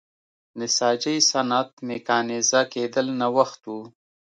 نساجۍ صنعت میکانیزه کېدل نوښت و.